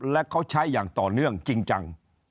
และเขาใช้อย่างต่อเนื่องจริงจัง